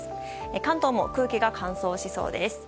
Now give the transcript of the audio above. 関東も空気が乾燥しそうです。